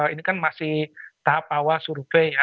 ini kan masih tahap awal survei ya